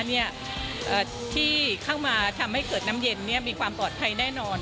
ที่เข้ามาทำให้เกิดน้ำเย็นมีความปลอดภัยแน่นอน